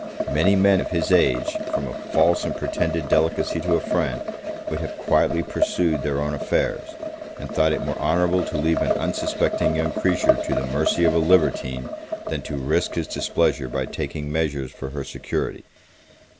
Many men of this age, from a false and pretended delicacy to a friend, would have quietly pursued their own affairs, and thought it more honourable to leave an unsuspecting young creature to the mercy of a libertine, than to risk his displeasure by taking measures for her security.